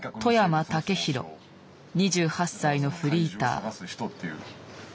２８歳のフリーター。